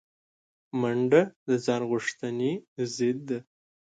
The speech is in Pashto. منډه د ځان غوښتنې ضد ده